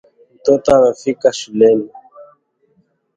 Mtoto amefika shuleni